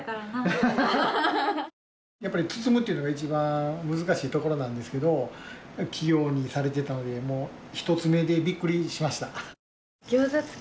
やっぱり包むっていうのが一番難しいところなんですけど器用にされてたのでもう１つ目でびっくりしました。